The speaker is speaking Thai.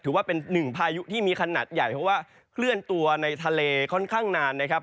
ถือว่าเป็นหนึ่งพายุที่มีขนาดใหญ่เพราะว่าเคลื่อนตัวในทะเลค่อนข้างนานนะครับ